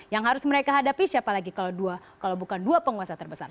yang harus mereka hadapi siapa lagi kalau bukan dua penguasa terbesar